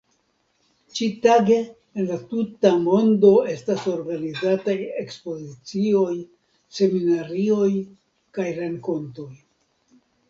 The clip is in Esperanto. Ĉi-tage en la tuta mondo estas organizataj ekspozicioj, seminarioj kaj renkontoj.